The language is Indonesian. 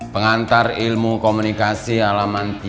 pengantar ilmu komunikasi alaman tiga ratus lima puluh delapan